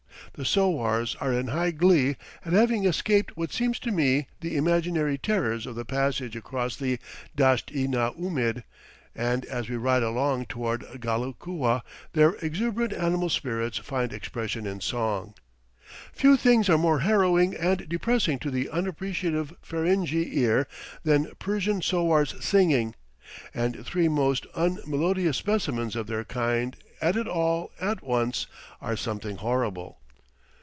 The sowars are in high glee at having escaped what seems to me the imaginary terrors of the passage across the Dasht i na oomid, and as we ride along toward Ghalakua their exuberant animal spirits find expression in song. Few things are more harrowing and depressing to the unappreciative Ferenghi ear than Persian sowars singing, and three most unmelodious specimens of their kind at it all at once are something horrible.